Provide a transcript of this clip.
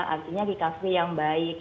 artinya recovery yang baik